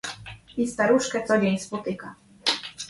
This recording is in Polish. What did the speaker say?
"I staruszkę codzień spotyka."